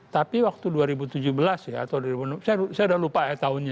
tapi waktu dua ribu tujuh belas ya atau dua ribu enam belas saya udah lupa ya tahunnya